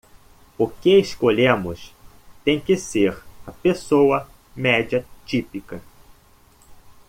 O que escolhemos tem que ser a pessoa média típica.